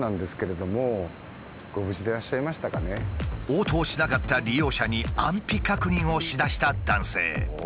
応答しなかった利用者に安否確認をしだした男性。